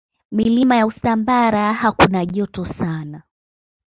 Milima ya Usambara hakuna joto sana.